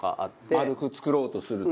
丸く作ろうとすると？